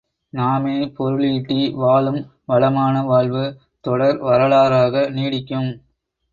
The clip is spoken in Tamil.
நாமே பொருளீட்டி வாழும் வளமான வாழ்வு தொடர் வரலாறாக நீடிக்கும்.